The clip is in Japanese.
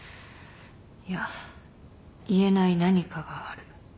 いや言えない何かがある。